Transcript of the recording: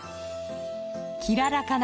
きららかな